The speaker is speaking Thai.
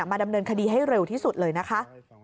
ดำเนินคดีให้เร็วที่สุดเลยนะคะ